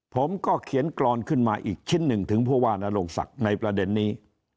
ผมก็เขียนกรอนขึ้นมาอีกชิ้นหนึ่งถึงผู้ว่านโรงศักดิ์ในประเด็นนี้